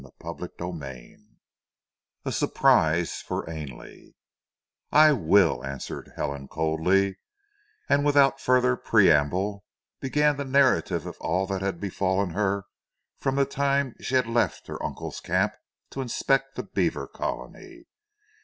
CHAPTER XXIII A SURPRISE FOR AINLEY "I will," answered Helen coldly, and without further preamble began the narrative of all that had befallen her from the time she had left her uncle's camp to inspect the beaver colony.